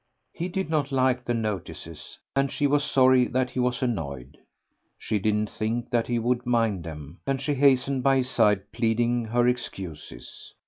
He did not like the notices, and she was sorry that he was annoyed. She didn't think that he would mind them, and she hastened by his side, pleading her excuses.